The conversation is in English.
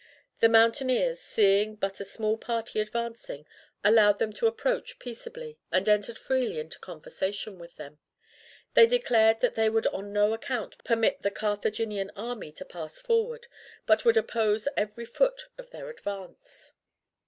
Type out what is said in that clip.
The mountaineers, seeing but a small party advancing, allowed them to approach peaceably and entered freely into conversation with them. They declared that they would on no account permit the Carthaginian army to pass forward, but would oppose every foot of their advance.